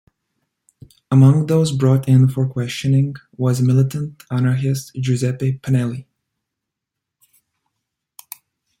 Among those brought in for questioning was militant anarchist Giuseppe Pinelli.